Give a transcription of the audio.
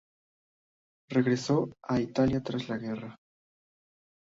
Regresó a Italia tras la guerra.